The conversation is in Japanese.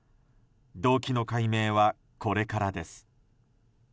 動機の解明はこれからです。